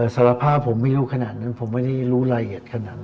สารภาพผมไม่รู้ขนาดนั้นผมไม่ได้รู้รายละเอียดขนาดนั้น